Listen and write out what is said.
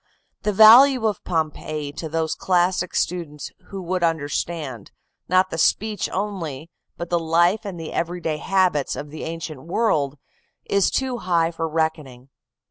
"The value of Pompeii to those classic students who would understand, not the speech only, but the life and the every day habits, of the ancient world, is too high for reckoning.